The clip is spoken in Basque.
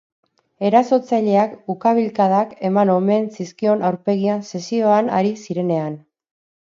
Erasotzaileak ukabilkadak eman omen zizkion aurpegian sesioan ari zirenean.